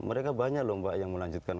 mereka banyak loh mbak yang melanjutkan